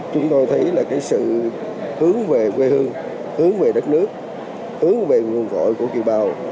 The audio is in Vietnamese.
chúng tôi thấy là cái sự hướng về quê hương hướng về đất nước hướng về nguồn cội của kiều bào